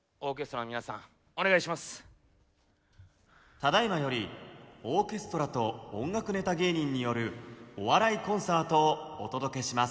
「ただいまよりオーケストラと音楽ネタ芸人によるお笑いコンサートをお届けします」。